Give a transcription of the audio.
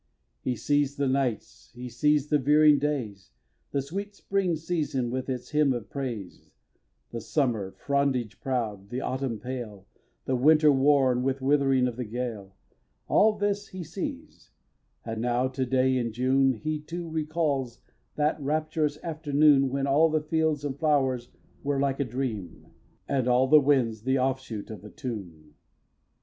xix. He sees the nights, he sees the veering days, The sweet spring season with its hymn of praise, The summer, frondage proud, the autumn pale, The winter worn with withering of the gale, All this he sees; and now, to day, in June, He, too, recalls that rapturous afternoon When all the fields and flowers were like a dream, And all the winds the offshoot of a tune.